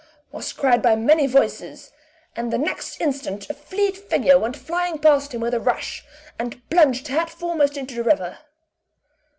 was cried by many voices; and the next instant a fleet figure went flying past him with a rush, and plunged head foremost into she river.